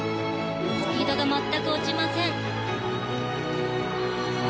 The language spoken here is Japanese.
スピードが全く落ちません。